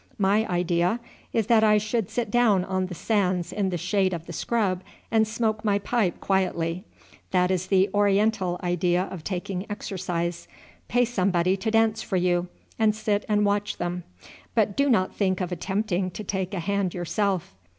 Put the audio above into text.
My idea is that I should sit down on the sands in the shade of the scrub and smoke my pipe quietly. That is the oriental idea of taking exercise; pay somebody to dance for you, and sit and watch them, but do not think of attempting to take a hand yourself.